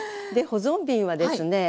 保存瓶はですね